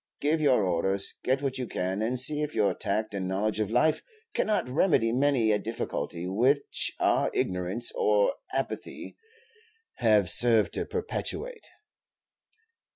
Give your orders; get what you can; and see if your tact and knowledge of life cannot remedy many a difficulty which our ignorance or apathy have served to perpetuate."